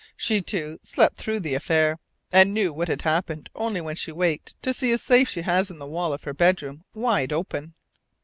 She, too, slept through the affair, and knew what had happened only when she waked to see a safe she has in the wall of her bedroom wide open.